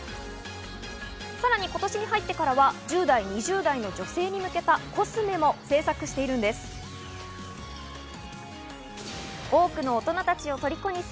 さらに今年に入ってからは１０代、２０代の女性に向けたコスメも制作しているんです。